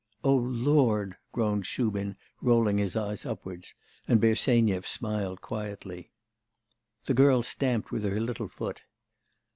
'O Lord!' groaned Shubin, rolling his eyes upwards; and Bersenyev smiled quietly. The girl stamped with her little foot.